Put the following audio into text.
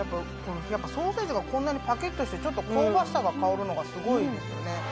ソーセージがこんなにパキっとしてちょっと香ばしさが香るのがすごいですよね。